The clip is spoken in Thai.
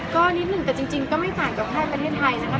ก็นิดหนึ่งแต่จริงก็ไม่ต่างกับแค่ประเทศไทยนะคะ